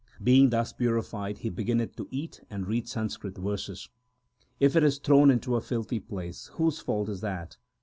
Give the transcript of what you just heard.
Being thus purified, he beginneth to eat and read Sanskrit verses. If it is thrown into a filthy place ; whose fault is that